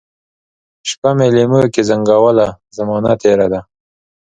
شپه مي لېموکې زنګوله ، زمانه تیره ده